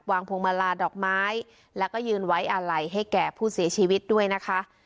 พวงมาลาดอกไม้แล้วก็ยืนไว้อาลัยให้แก่ผู้เสียชีวิตด้วยนะคะ